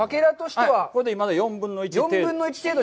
これでまだ４分の１程度。